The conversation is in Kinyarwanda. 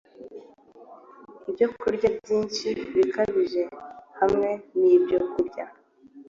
Ibyokurya byinshi bikabije hamwe nibyokurya